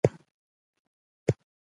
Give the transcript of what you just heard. ما ته مسواک راکړه.